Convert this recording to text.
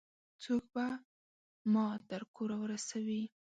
څوک به ما تر کوره ورسوي؟